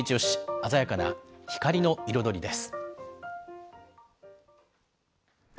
鮮やかな光の彩りです。